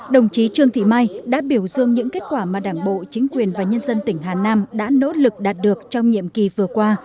đồng chí trương thị mai đã biểu dương những kết quả mà đảng bộ chính quyền và nhân dân tỉnh hà nam đã nỗ lực đạt được trong nhiệm kỳ vừa qua